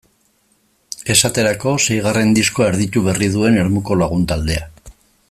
Esaterako, seigarren diskoa erditu berri duen Ermuko lagun taldea.